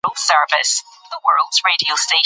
دارچیني او طبیعي چای د ارامتیا سبب کېږي.